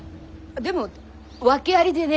でも訳ありでね。